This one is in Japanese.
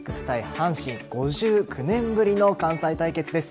阪神５９年ぶりの関西対決です。